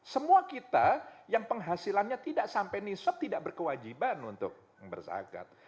semua kita yang penghasilannya tidak sampai nisob tidak berkewajiban untuk berzakat